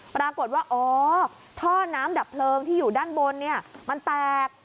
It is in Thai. ปรากฏว่าอ๋อท่อน้ำดับเพลิงที่อยู่ด้านบนมันแตก